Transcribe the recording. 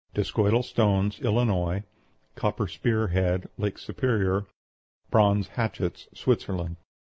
DISCOIDAL STONES, ILLINOIS. COPPER SPEAR HEAD, LAKE SUPERIOR. BRONZE HATCHETS, SWITZERLAND.